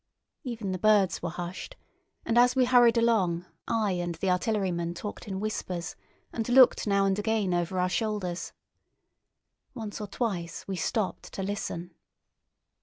Even the birds were hushed, and as we hurried along I and the artilleryman talked in whispers and looked now and again over our shoulders. Once or twice we stopped to listen.